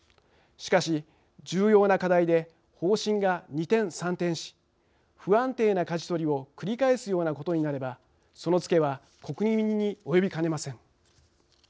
しかし、重要な課題で方針が二転三転し、不安定なかじ取りを繰り返すようなことになればそのツケは国民に及びかねません。